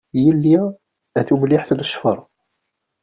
Yelli a tumliḥt n ccfer.